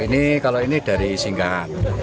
ini kalau ini dari singkat